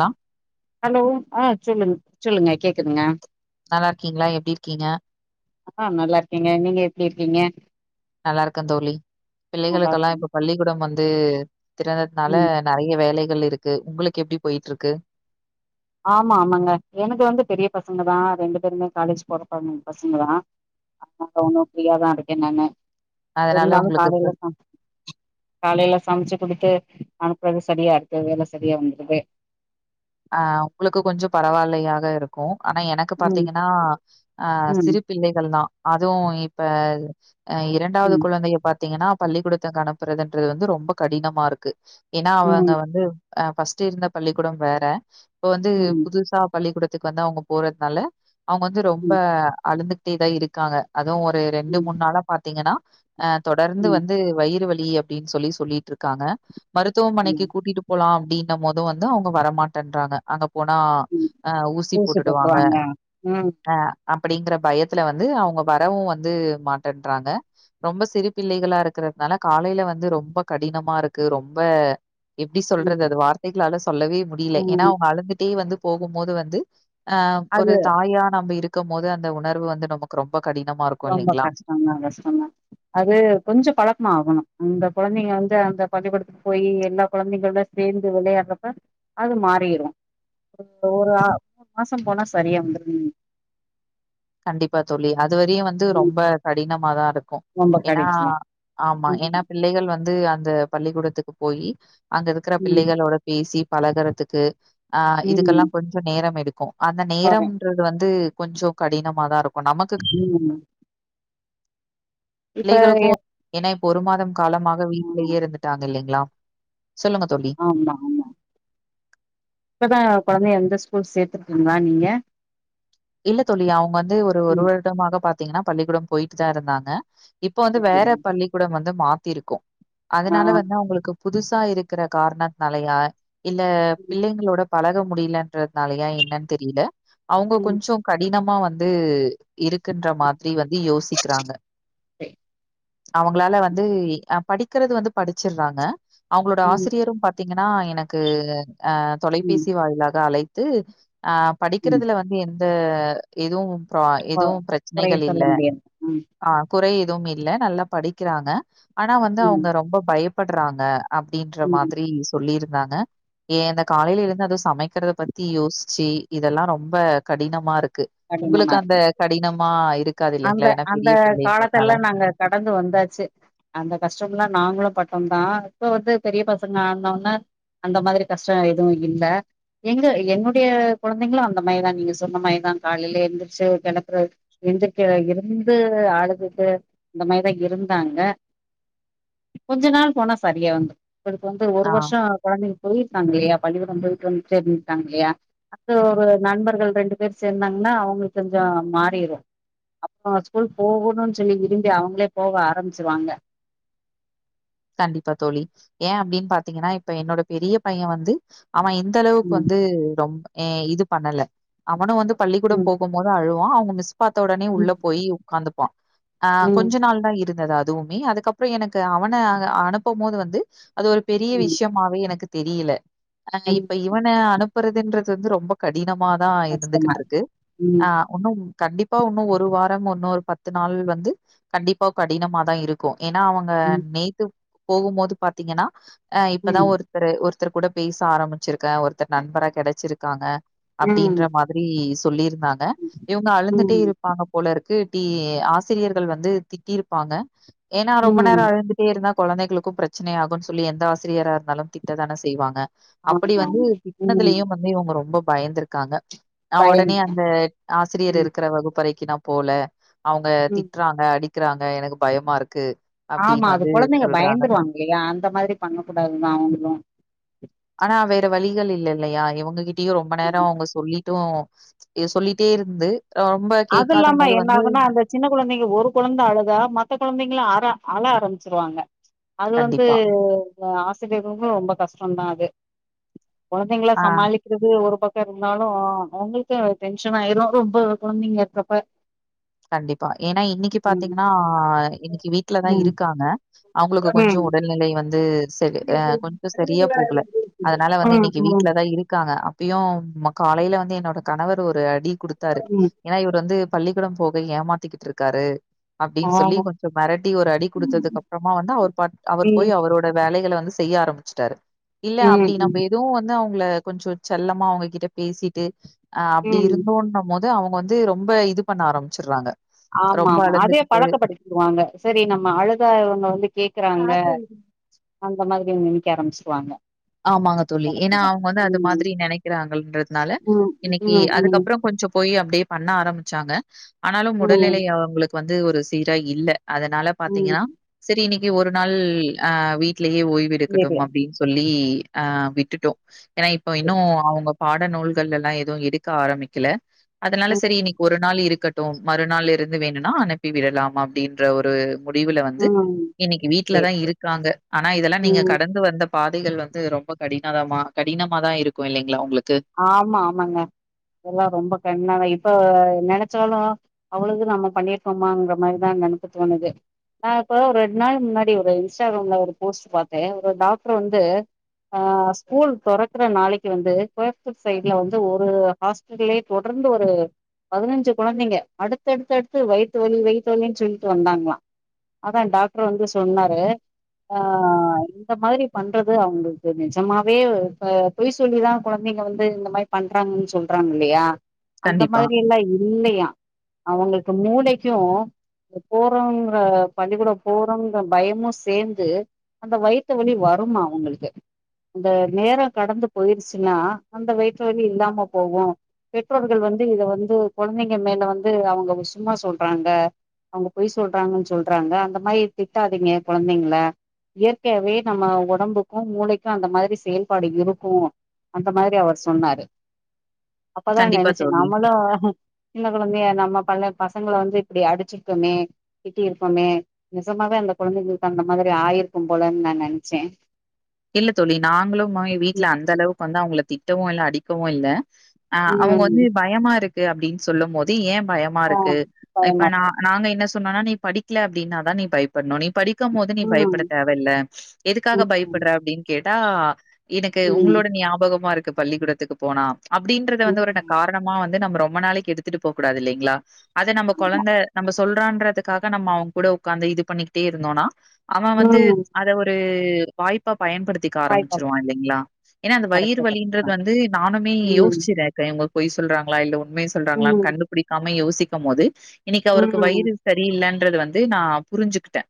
லா hello ஆ சொல்லுங்க சொல்லுங்க கேக்குதுங்க நல்லா இருக்கீங்களா எப்டி இருக்கீங்க ஆ நல்லா இருக்கேங்க நீங்க எப்டி இருக்கீங்க நல்லா இருக்கே தோழி நல்லா பிள்ளைகளுக்கெல்லா இருக்கே இப்ப பள்ளிக்கூடம் வந்து திறந்ததுனால ம் நெறைய வேலைகள் இருக்கு உங்களுக்கு எப்டி போயிட்டுருக்கு ஆமா ஆமாங்க எனக்கு வந்து பெரிய பசங்க தா ரெண்டு பேருமே காலேஜ் போற ப பசங்கதா ஆமாங்க ஒன்னு ஃப்ரீயா தா இருக்கே நானு அதனால இருந்தாலு உங்களுக்கு காலேல இப்ப சமச் காலேல சமச்சி குடுத்து அனுப்புறது சரியா இருக்கு வேல சரியா வந்துருது ஆ உங்களுக்கு கொஞ்சோ பரவாயில்லையாக இருக்கு ஆனா எனக்கு ம் பாத்தீங்கன்னா ஆ ம் சிறு பிள்ளைகள் தா அதுவு இப்ப ஆ இரண்டாவது ம் குழந்தைய பாத்தீங்கன்னா பள்ளிகூடத்துக்கு அனுப்புறதுன்றது வந்து ரொம்ப கடினமா இருக்கு ஏன்னா அவங்க ம் வந்து ஆ ஃபர்ஸ்ட் இருந்த பள்ளிக்கூடம் வேற இப்ப வந்து ம் புதுசா பள்ளிக்கூடத் இதுக்கு வந்து அவுங்க போறதுனால அவுங்க வந்து ரொம்ப ம் அழுந்துகிட்டேதா இருக்காங்க அதுவு ஒரு ரெண்டு ம் மூண் நாள பாத்தீங்கன்னா ஆ தொடர்ந்து ம் வந்து வயிறு வலி வலி அப்டின் சொல்லி சொல்லிட்ருக்காங்க மருத்துவமனைக்கி ம் கூட்டிட்டு போலா அப்டின்னம் போது வந்து அவுங்க வரமாட் டேன்றாங்க அங்க போனா ம் ஆ ஊசி தூசி போட்டு டுவாங்க போட்ருவாங்க ம் ஆ அப்டிங்கிற பயத்துல வந்து அவுங்க வரவு வந்து மாட்டேன்றாங்க ரொம்ப சிறு பிள்ளைகளா இருக்குற துனால காலேல வந்து ரொம்ப கடினமா இருக்கு ரொம்ப எப்டி ம் சொல்றது அது வார்த்தைகளால சொல்லவே முடியல. ஏன்னா ம் அவுங்க அழுந்துட்டே வந்து போகும்போது வந்து ஆ ஒரு அது தாயா நம்ப இருக் கும் போது அந்த உணர்வு வந்து நமக்கு ரொம் ரொம்ப கஷ்டந்தா கஷ்டந்தா அது கொஞ்சோ பழக்கமா ஆகணு இந்த கொழந்தை இங்க வந்து அந்த பள்ளிக்கூடத்துக்கு போயி எல்லா கொழந்தைங்களோட சேந்து வெளயாடுறப்ப அது மாறிரு இப்ப ஒரு ஆறு மாசோ போனா சரியா வந்துருங்க கண்டிப்பா தோழி அதுவரயு வந்து ரொம்ப கடினமாதா இருக்கு கு ரொம்ப ஏன்னா கடினந்தா ஆமா ம் ஏன்னா பிள்ளைகள் வந்து அந்த பள்ளிகூடத்துக்கு போயி அங்க இருக்கற ம் பிள்ளைகளோட பேசி பழகறதுக்கு ஆ ம் இதுக்கெல்லா கொஞ்சோ நேரம் எடுக்கு அந்த வரே நேரம்ன்றது வந்து கொஞ்சோ கடினமாதா இருக் ம் இப்ப பிள்ளைகளுக்கு எ ஏனா இப்ப ஒரு மாதம் காலமாக வீட்லயே ம் இருந்துட்டாங்க இல்லைங்ளா சொல்லுங்க தோழி இப்ப தா கொழந்தைய வந்த ஸ்கூல் சேத்துருக்கீங்ளா நீங்க இல்ல தோழிஅவுங்க வந்து ஒரு ஒரு ம் வருடமாக பாத்தீங்கன்னா பள்ளிக்கூடம் போயிட்டு தாருந்தாங்க இப்ப வந்து அப்படியா வேற பள்ளிக்கூடம் வந்து மாத்திருக்கோ ஆ அதனால வந்து அவுங்களுக்கு புதுசா இருக்குற கார்ணன்னாலையா இல்ல ம் பிள்ளைங்களோட பழக முடில ன்றதுனாலயா என்னன் தெரில அவுங்க ம் கடினமா வந்து இருக்குன்ற மாதிரி வந்து யோசிக்றாங்க சரி அவங்களால வந்து அ படிக்கறது வந்து படிச்சிறாங்க அவுங்களோட ம் ஆசிரியரு பாத்தீங்கன்னா எனக்கு ஆ ம் தொலைபேசி வாயிலாக அழைத்து ஆஹ் ம் படிக்கறதுல வந்து எந்த எதுவும் பா கொ எது குறைய பிரச்சனைகள் சொல்ல இல்ல முடியாது ம் அ குறை எதுவும் இல்ல நல்லா படிக்கிறாங்க ஆனா வந்து ம் அவுங்க ரொம்ப பயப்பட்றாங்க அப்டின்ற ம் மாதிரி சொல்லிருந்தாங்க ஏ இந்த காலைல எழுந்து அதுவு சமை க்கறத பத்தி யோச்சி இதெல்லா ரொம்ப கடினமாரு க்கு ஒங்களுக்கு கடினமா அந்த கடினமா இரு அந்த அந்த காலத்தெல்லா நாங்க கடந்து வந்தாச்சு அந்த கஷ்டம்ல்லா நாங்ளு ப க்கு தா இப்ப வந்து பெரிய பசங்க ஆனோன அந்த மாதிரி கஷ்டோ எதுவு இல்ல எங்க என்னுடய கொழந்தைங்களு அந்த மாரி தா நீங்க சொன்ன மாரி தா காலைல எந்திரிச்சு ஒரு கெளப்புறது எந்தி க்றேஇருந்து அழுதுட்டு இந்த மாரி தா இருந்தாங்க கொஞ்ச நாள் போனா சரியா வந்துரு ஒங்களுக்கு வந்து ஒரு ஆ. வர்ஷோ கொழந்தை போயிருக்காங்க இல்லயா பள்ளிகூடம் போய்ட்டு வந்து சேந்திருக்காங்க இல்லயா அப்டி ஒரு நண்பர்கள் ரெண்டு பேரு சேந்தாங் நா ஒங்களுக் கொஞ்சோ மாறிரு அப்ப ஸ்கூல் போகணுன்னு சொல்லி விரும்பி அவுங்களே போக ஆரபிச்சிருவாங்க. [inaudible] கண்டிப்பா தோழி ஏ அப்டின்னு பாத்தீங்கன்னா இப்ப என்னோட பெரிய பைய வந்து அவே இந்தளவுக்கு ம் வந்து ரொம்ப ஏ இது பண்ணல அவனு வந்து பள்ளிகூடம் ம் போகும் போது அழுவா அவுங்க மிஸ் பாத்த உடனே உள்ள ம் போய் உக்காந்துப்பா. ஆ ம் கொஞ்ச நாள் தா இருந்தது அதுவுமே அதுக்கப்பறோ எனக்கு அவன அ அனுப்பும் போது வந்து அது ஒரு பெரிய ம் விஷயமாவே எனக்கு தெரியல ஆ ம் இப்ப இவன அனுப் றதுன்றது வந்து ரொம்ப கடினமாதா இருந்துகிட்டு இருக்கு ம் ஆ ஒன்னும் கண்டிப்பா உன்னு ஒரு வாரம் இன்னொரு பத்து நாள் வந்து கண்டிப்பா கடினமதா இருக்கு ஏன்னா அவங்க ம் நேத்து போகும்போது பாத்தீங்கன்னா ஆ இப்பதா ம் ஒருத்தரு ஒர் த்தர் கூட பேச ஆரபிச்சிருக்கே ஒருத்தர் நண்பரா கெடச்சிருக்காங்க ம் அப்டின்ற மாதிரி சொல்லிருந்தாங்க இவுங்க அழுந்துட்டே ம் இருப்பாங்க போல இரு க்கு டீ ஆசிரியர்கள் வந்து திட்டிருப்பாங்க ஏன்னா ரொம்ப நேரோ ம் அழுந்துட்டே இருந்தா கொழந்தைகளுக்கு பிரச்சனை ஆகுன்னு சொல்லி எந்த ஆசிரியராா இருந்தாலு திட்ட தான செய்வாங்க அப்டி ஆமா வந்து ஆமா ம் திட்னதுலயு வந்து இவுங்க ரொம்ப பயந்துருக்காங்க ஆ ஒடனே பயந்துட்டே அந்த ஆசிரியர் ம் இருக்குற வகுப்பறைக்கி நா போல அவங்க ம் திட்றாங்க அடிக்கிறாங்க எனக்கு பயமா இருக்கு. ஆமா அப்படின்னு அது வந்து கொழந்தைங் சொல்றாங்க. பயந்துருவாங்க இலயா அந்த மாதிரி பண்ணக் கூடாது தா அவுங்களு ஆனா வேற வழிகள் இல்ல இல்லையா இவங்க கிட்டியு ரொம்ப நேர அவங்க சொல்லிட்டு இ சொல்லிட்டே இருந்து ரொம்ப அதுல்லாம கேட்காதம்போது என்ன வந்து ஆகுனா அந்த சின்ன குழந்தைங்க ஒரு குழந்த அழுதா மத்த குழந்தைங்களு அ அழ ஆற ச்சிருவாங்க அது வந்து கண்டிப்பா. ஆசிரியர்கு ரொம்ப கஷ் சொன்னாது குழந்தைங்கள ஆ சமாளிக்கிறது ஒரு பக் ருந்தாலு அவங்களுக்கு டென்ஷன் ஆயிரு ரொம்ப குழந்தைங்க இருக்கறப்ப. கண்டிப்பா ஏனா இன்னிக்கு பாத்தீங்ன்னா இன்னிக்கு வீட்லதா ம் இருக்காங்க. அவங்ளுக்கு கொஞ்ச ம் உடல்நிலை வந்து செரி அ கொஞ்ச சரியா போகல அதனால வந்து ம் ம் இன்னிக்கு வீட்ல தா இருக்காங்க அப்பியு அ காலையில வந்து என்னோட கணவர் ஒரு அடி குடுத்தாரு ம் ஏனா இவுர் வந்து பள்ளிக்கூடம் போக ஏமாத்திகிட்டு இருக்காரு. அப்டின்னு சொல்லி ஆமா கொஞ்ச மெரட்டி ஒரு அடி ம் குடுத்ததுக்கு அப்புறமா வந்து அவர் பா அவர் போயி ம் அவரோட வேலைய செய்ய ஆரம்பிச்சிட்டாரு இல்ல அப்டி நம்ப ம் எதுவு வந்து அவங் ல்ல கொஞ்ச செல்லமா அவங்ககிட்ட பேசிட்டு அ அப்டி ம் இருந்தோன்னு மோத் ந்து அவுங்க வந்து ரொம்ப இது பண்ண ஆரம்மிச்சுட்றாங்க. ஆமா ஆமா அதே பழக்க படித்டுவாங்க செரி நம்ப அழுதா இவங்க வந்து கேக்குறாங்க. அந்த மாரி நினைக்க ஆரம்பிச்சிருவாங்க. ஆமாங்க தோழி கரெக்ட்டு ஏன்னா தா அவங்க வந்து அது ம் மாதிரி நினைக்கிறாங்கன்றதுனால ம் இன்னிக்கு ம் ம் அதுக்கப்பறம் கொஞ் ச்ச போயி அப்டியே பண்ண ஆரம்பிச்சாங்க ஆனாலும் ம் உடல்நிலை அவங்ளுக்கு வந்து ஒரு சீரா இல்ல. அதனால ம் பாத்தீங்கனா செரி இன்னிக்கு ஒரு நாள் அ வீட்லேயே ஓய்வு எடுக்கட்டும் செரியா அப்டின் சொல்லி வி ஆ விட்டுட்டோ ஏனா இப்ப இன்னு செரி அவுங் பாட நூல்கள் எல்லா எதுவு எடுக்க ஆரம்பிக்கல அதனால ம் செரி இன்னக்கி ஒரு நாள் இருக்கட் டோம் மறுநாள் இருந்து வேணுனா அனுப்பி விடலாம் அப்டின்ற ஒரு முடிவுல வந்து ம் இன்னிக்கு சேரி வீட்லதா சேரி இருக்காங்க ஆனா இதெல்லா நீங்க ம் கடந்து வந்த பாதைகள் வந்து ரொம்ப கடினதமா கடினமா தா இருக்கு இல்லைங்களா உங்களுக் ஆமா ஆமாங்க எல்லா ரொம்ப கண்ணா இப்ப நெனச்சாலு அவ்ளது நம்ப பண்ணிருக்கோமாங்கிற மாரிதா நெனைக்க தோணுது. நா இப்ப ஒரு ரெண்ட் நாள் முன்னாடி ஒரு இன்ஸ்டாகிராம்ல ஒரு போஸ்ட் பாத்தே ஒரு டாக்டர் வந்து ஆ ஸ்கூல் தொறக்ற நாளைக்கு வந்து கோயமத்தூர் சைட்ல வந்து ஒரு ஹாஸடல்லயே தொடர்ந்து ஒரு பதினஞ்சு குழந்தைங்க அடுத்தடுத்து அடுத்து வயித்து வலி வயித்து வலினு சொல்ட்டு வந்தாங்களா அதா டாக்ட்ரு வந்து சொன்னாரு ஆ இந்த மாரி பண்றது அவுங்களுக்கு நிஜமாவே இப்ப பொய் சொல்லிதா குழந்தைங்க வந்து இந்த மாரி பண்றாங்கன் சொல்றாங்க இல்லியா, அந்த கண்டிப்பா, மாரியெல்லா இல்லையா அவங்களுக்கு மூளைக்கூ ந்தோ போறோங்ற பள்ளிக்கூடோ போறோங்கற பயமு சேர்ந்து அந்த வயித்தவலி வருமா அவுங்களுக்கு அந்த நேரோ கடந்து போயிருச் ச்சுனா அந்த வயித்தவலி இல்லாம போவு பெற்றோர்கள் வந்து இத வந்து குழந்தைங்க மேல வந்து அவங்க சும்மா சொல்றாங்க அவுங்க பொய் சொல்றாங்கன் சொல்றாங்க. அந்த மாரி திட்டாதீங்க கொழந்தைங்கள இயற்காவே நம்ம ஒடம்புக்கு மூளைக்கு அந்த மாரி செயல்பாடு இருக்கு அந்த மாரி அவர் சொன்னாரு. அப்பதா கண்டிப்பா நெனச்ச தோழி. நாமளூ சின்ன கொழந்தய நம்ம பன்ல பசங்கள வந்து இப்டி அடிச்சிருக்கமே, திட்டீருக்கோமே நிசமாவே அந்த கொழந்தைகளுக்கு அந்த மாதிரி ஆயிருக்கு போலன் நா நெனைச்ச இல்ல தோழி நாங்களும் அ வீட்ல அந்த அளவுக்கு வந்து அவுங்கள திட்டவு இல்ல அடிக்கவு இல்ல. ஆ அவுங்க வந்து ம். பயமா இருக்கு அப்டீன் சொல்லும்போது ஏ பயமா ஆ இருக்கு இப்ப பயமா நா இருக்கு நாங்க என்ன சொன்னோனா நீ படிக்ல அப்டீன்னாதா நீ பய்ப்பட்னு நீ படிக்கம் போது நீ ம் பயப்பட தேவைல்ல எதுக்காக ம் பயப்பட்ற அப்டின் கேட்டா எனக்கு ம் உங்ளோட நியாபகமா இருக்கு பள்ளிக்கூடத்துக்கு போனா அப்டீன்றத வந்து ஒருன்ன ம் காரணமா வந் து நம்ம ரொம்ப நாளைக்கு எடுத்துட்டு போகூடாது இல்லேங்களா அத நம்ப ஆமா கொழந்த நம்ப சொல்றான்றதுக்காக நம்ம அவுங்கூட உக்காந்து இது பண்ணிக்கிட்டே இருந்தோனா அவ வந்து ம் அத ஒரு ரு வாய்ப்பாப் பயன்படுத்திக்க பாய் ஆரம்பிச்சிருவா பாப்பட் இல்லேங்ளா, ஏனா அந்த வயிறு கரெக்ட்டு கரெக்ட்டு வலீன்றது தா வந்து நானுமே ம் யோச்சுற இப்ப எங்கோ பொய் சொல்றாங்களா இல்ல உண்மய சொல்றாங்களான் ம் கண்டுபுடிக்காம யோசிக்கம் போது இன்னைக்கு அவருக்கு ம் வயிறு சரியில்லன்றது வந்து நா புரிஞ்சுக்குட்ட.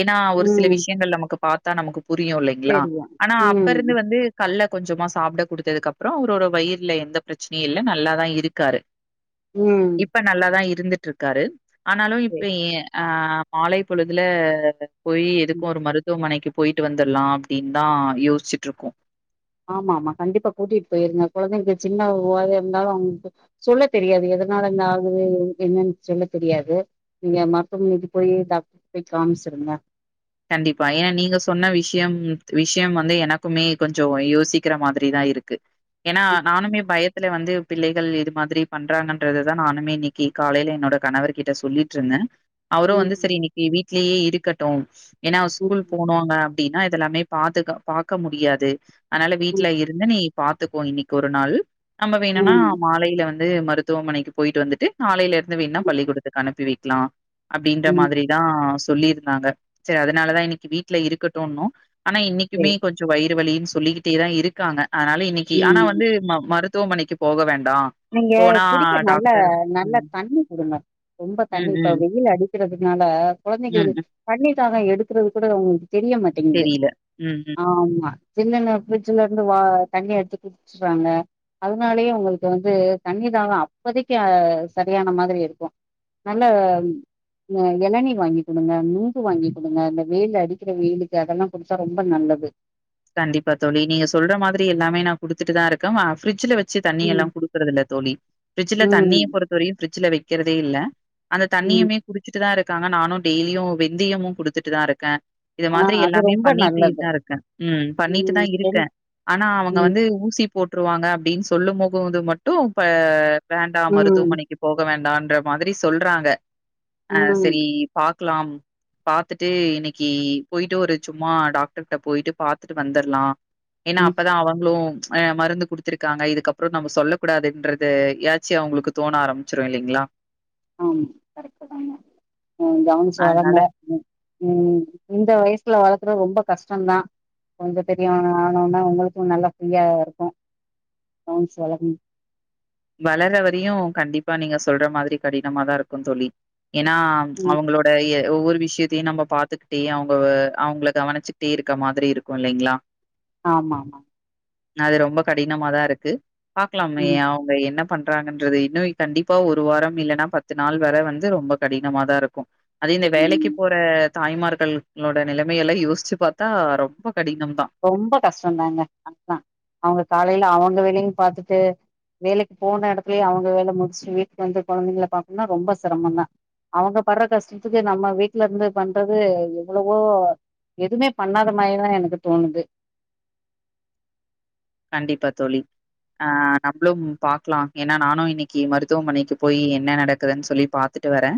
ஏனா ஒரு சில ம் விஷயங்கள் நமக்கு பாத்தா நமக்கு புரியு இல்லேங்ளா செரியா ஆனா ம் அப்பருந்து வந்து கல்ல கொஞ்சமா சாப்ட குடுத்ததுக்கப்றோ அவரோட வயிறுல எந்த பிரச்சனையு இல்ல நல்லாதா இருக்காரு. ம் இப்ப நல்லாதா இருந்துட்டுருக்காரு ஆனாலு இப்ப செரி ஏ ஆ மாலை பொழுதுல போய் ம் எதுக்கு ஒரு மருத்துவமனைக்குப் ட்டு வந்தர்லா அப்டீன்தா யோச்சுட்டு இருக்கோ. ஆமா ஆமா கண்டிப்பா கூட்டிட் போயிருங்க கொழந்தைங்ளுக்கு சின்ன உவாத இருந்தாலு அவுங்ளுங்கு சொல்ல தெரியாது ஏது எதனால என்ன ஆகுது என்னன் சொல்ல தெரியாது. நீங்க மருத்துவமனைக்கு போய் டாக் [inaudible] போய் காம்ச்சுருங்க. கண்டிப்பா ஏனா நீங்க சொன்ன விஷ்யம் விஷ்யம் வந்து எனக்குமே கொஞ்சோ யோசிக்கிற மாதிரிதா இருக்கு ஏனா நானுமே பயத்துல வந்து பிள்ளைகள் இது மாதிரி பண்றாங்கன்றதுதா நானுமே இன்னைக்கு காலைல என்னோட கணவர்கிட்ட சொல்லீட்டிருந்த. அவரு ம் வந்து சரி ம் இன்னைக்கு வீட்லயே இருக்கட்டு ஏனா ம் ஸ்கூல் போனோங்க அப்டீனா இதெல்லாமே பாத்துக பாக்க முடியாது அதனால ம் வீட்ல இருந்து நீ பாத்துக்கோ இன்னைக்கு ஒரு நாள் நம்ம வேணுனா ம் மாலைல வந் து மருத்துவமனைக்கு போயிட்டு வந்துட்டு நாளைல இருந்து வேனா ம் பள்ளிக்கூடத்துக்கு அனுப்பி வைக்லா. அப்டீன்ற ம் மாதிரிதா சொல்லிருந்தாங்க சேரி அதனாலதா இன்னைக்கு வீட்ல இருக்கட்டூனோ ஆனா இன்னைக்குமே சரி கொஞ்சோ வயிறு வலின் சொல்லிக்கிட்டேதா இருக்காங்க அதனால இன்னைக்கு ஆனா ம் வந்து ம மருத் துவமனைக்கு போக வேண்டா நீங்க போனா குடிக்க நல்ல டாக்டர் நல்ல ம் தண்ணி குடுங்க ரொம்ப தண்ணி ம், இப்ப ம், வெயில் அடிக்கறதுனால ம், கொழந்தைங்களுக்கு ம். தண்ணி தாகோ எடுக்கறது கூட அவுங்களுக் தெரியமாட்டேங்குது தெரியல. ம். ம். ஆமா ஜில்லனு ஃப்ரிட்ஜ்ல இருந்து வா தண்ணி எடுத்து குடுச்றாங்க அதனாலயே உங்களுக் கு வந்து தண்ணிதாகோ அப்பதைக்கு அ சரியான மாதிரி இருக்கு நல்ல ந எளநி வாங்கி் குடுங்க, நுங்கு வாங்கிகுடுங்க இந்த வெயில்ல அடிக்கிற வெயிலுக்கு அதெல்லா குடுச்சா ரொம்ப நல் லது கண்டிப்பா தோழி நீங்க சொல்ற மாதிரி எல்லாமே நா குடுத்துட்டுதா இருக்க வ ஃப்ரிட்ஜ்ல வச் ட்ஜ் தண்ணி எல்லா ம் குடுக்குறதில்ல தோழி ஃப்ரிட்ஜ்ல தண்ணிய ம் பொறுத்த வரையும் பிரிட்ஜ்ல வைக்கறதே இல்ல அந்த ம் தண்ணியுமே குடிச்சுட்டுதா இருக்காங்க நானு டெய்லியு வெந்தியமு குடுத்துட்டுதா இருக்க இதெ ஆ மாதிரி அது எல்லாமே ரொம்ப நல்லது பண்ணிட்டியேதா இருக்க ம் பண்ணிட்டுதா ம் இருக்க என் ஆனா அவங்க ம் வந்து ஊசி போட் ட்ருவாங்க அப்டின் சொல்லும் போகோது மட்டு ப வேண்டா ம் மருத்துவமனைக்கு போக வேண் டான்ற மாதிரி சொல்றாங்க ஆ ம் சரி பாக் க்லாம் பாத்துட்டு இன்னைக்கு போயிட்டு ஒரு சும்மா டாக்டர்ட்ட போயிட்டு பாத்துட்டு வந்தர்லா ஏனா ம் அப்பதா அவங்களு அ மருந்து குடுத்திருக்காங்க இதுக்கப்றோ நம்ம சொல்ல கூடாதுன்றது எதாச்சி அவங்களுக்கு தோண ஆரம்பிச்சிரு இல்லைங்ளா ஆமா கரெக்ட்டுதாங்க அ கவுன்ச்சு வளங்க அதனால ம் ம் இந்த வயசுல வளக் க்குற ரொம்ப கஷ்டொந்தா கொஞ்சொ பெரியவனா ஆனோன உங்களுக்கும் நல்லா ஃப்ரீயா இருக்கு கவன்சு வளக்கனு வளர்ர வரையு கண்டிப்பா நீங்க சொல்ற மாதிரி கடினமாதா இருக்கும் தோழி ஏனா ம் அவங்களோட ஏ ஒவ்வொரு விஷயத்தையு நம்ம பாத்துக்குட்டே அவங்க அவங்கள கவனிச்சுக்கிட்டே இருக்க மாதிரி இருக்கு இல்லைங்ளா ஆமாமா அது ரொம்ப கடினமாதா இருக்கு பாக்கலாமே ம் அவு என்ன பண்றாங்கன்றது இன்னு கண்டிப்பா ஒரு வாரம் இல்லனா பத்து நாள் வர வந்து ரொம்ப கடினமாதா இருக்கு அது இந்த வேலைக்கு ம் போற தாய்மார்கள் ளோட நிலமைய எல்லா யோச்சி பாத்தா ரொம்ப கடினம் தான். ரொம்ப கஷ்டதாங்க அதா அவுங்க காலையில அவுங்க வேலயு பாத்துட்டு வேலைக்கு போன எடத்துலியே அவுங்க வேல முடிச்ட்டு வீட்டுக்கு வந்து கொழந்தைங்கள பாக்கனுனா ரொம்ப சிரமந்தா அவுங்க பட்ற கஷ்டத்துக்கு நம்ம வீட்ல இருந்து பண்றது எவ்வளவோ எதுமே பண்ணாத மாரிதா எனக்கு தோனுது கண்டிப்பா தோழி ஆ நம்ப்ளும் பாக்கலா ஏனா நானு இன்னைக்கி மருத்துவமனைக்கு போய் என்ன நடக்குதுன் சொல்லி பாத்து ட்டு வரே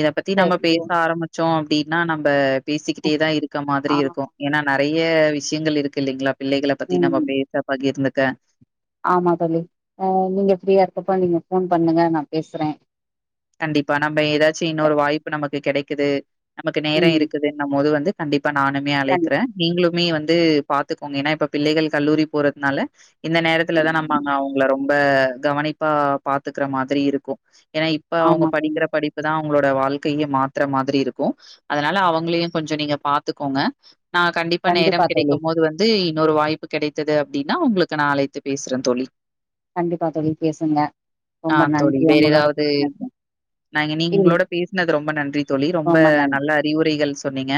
இத பத்தி நம்ம சரி ஓ, பேச ஆரம்மிச்சோ அப்டினா நம்ப பேசிக்கிட்டே தா இருக்க மாதிரி ஆ இருக்கு ஏனா நெறைய விஷியங்கள் இருக்கு இல்லைங்ளா பிள்ளைகள பத்தி நம்ம ம் பே அ பகிர்ந்துக்க ஆமா தோழி அ நீங்க ஃப்ரீயா இருக்கப்ப நீங்க ஃபோன் பண்ணுங்க நா பேஸ்ற கண்டிப்பா நம்ப எதாச்சி இன்னொரு வாய்ப்பு நமக்கு கெடைக்குது நமக்கு நேரோ ம் இருக்குதுன்ன போது வந்து கண்டிப்பா நானுமே அழைக்ற கண்டிப்பா நீங்ளுமே வந் து பாத்துக்கோங்க ஏனா இப்ப பிள்ளைகள் கல்லூரி போறத்னால இந்த நேரத்துல தா நம்ம அங்க அவுங்கள ரொம்ப கவனிப்பா பாத்துக்கிற மாதிரி இருக்கு ஏனா இப்ப அவுங்க ஆமா தோழி படிக்கிற படிப்பு தா அவுங்களோ ட வாழ்க்கையு மாத்தற மாதிரி இருக்கு அதனால அவுங்களையு கொஞ்ச நீங்க பாத்துக்கோங்க நா கண்டிப்பா நேரம் கிடைக்கு போது வந்து இன்னொரு வாய்ப்பு கிடைத்தது அப்டினா உங்களுக்கு நா அழைத்து பேஸ்ற தோழி கண்டிப்பா தோழி பேசுங்க ஆ ரொம்ப தோழி. நன்றி வேற உங்களோட ஏதாவது பேஸ்னது நாங்க நீங்களோட பேஸ்னது ரொம்ப நன்றி தோழி ரொம்ப நல்ல அறிவுரைகள் சொன்னீங்க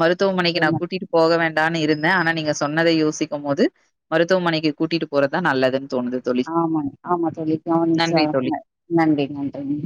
மருத்துவமனைக்கு நா ரொம்ப கூட்டிட்டு போக வேண் தானு இருந்தே ஆனா நீங்க சொன்னத யோசிக்கு போது மருத்துவமனைக்கு கூட்டிட்டு போறதா நல்லதுன் ஆமா ஆமா தோழி கவனிச்சா நன்றி தோழி. ந நன்றி நன்றி